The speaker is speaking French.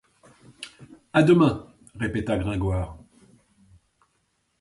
À demain, répéta Gringoire.